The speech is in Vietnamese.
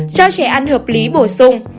cho trẻ ăn hợp lý bổ sung